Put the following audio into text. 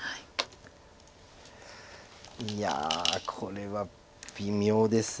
いやこれは微妙です。